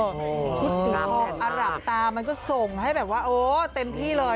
ชุดสีทองอร่ำตามันก็ส่งให้แบบว่าโอ้เต็มที่เลย